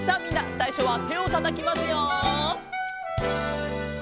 さいしょはてをたたきますよ。